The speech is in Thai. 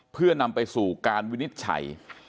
เพื่อนำไปสู่การวินิจฉัย